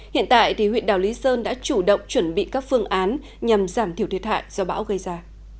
hiện tại huyện đảo lý sơn đã chủ động chuẩn bị các phương án nhằm giảm thiểu thiệt hại do bão gây ra